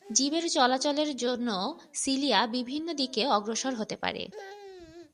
জীবের চলাচলের জন্য সিলিয়া বিভিন্ন দিকে অগ্রসর হতে পারে।